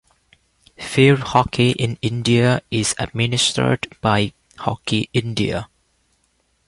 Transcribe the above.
Field hockey in India is administered by Hockey India.